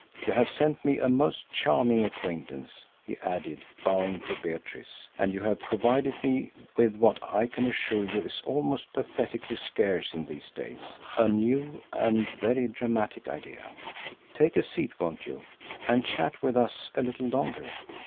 You have sent me a most charming acquaintance," he added, bowing to Beatrice, "and you have provided me with what I can assure you is almost pathetically scarce in these days a new and very dramatic idea. Take a seat, won't you, and chat with us a little longer?